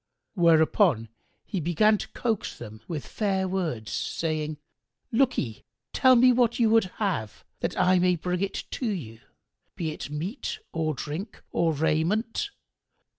Whereupon he began to coax them with fair words, saying, "Lookye, tell me what you would have, that I may bring it you, be it meat or drink or raiment."